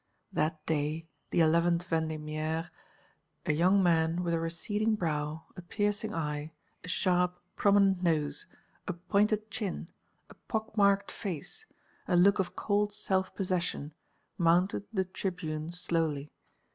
That day, the 11th Vendémiaire, a young man, with a receding brow, a piercing eye, a sharp prominent nose, a pointed chin, a pock marked face, a look of cold self possession, mounted the tribune slowly.